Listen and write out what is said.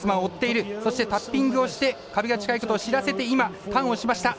そして、タッピングをして壁が近いことを知らせてターンをしました。